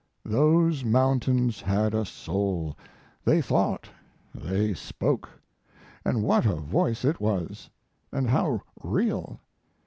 Those mountains had a soul: they thought, they spoke. And what a voice it was! And how real!